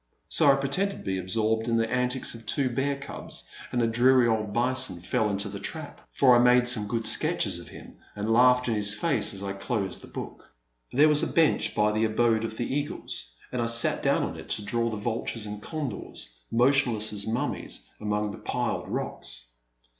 So I pretended to be absorbed in the antics of two bear cubs, and the dreary old bison fell into the trap, for I made some good sketches of him and laughed in his face as I closed the book. There was a bench by the abode of the eagles, and I sat down on it to draw the vultures and condors, motionless as mummies among the piled rocks.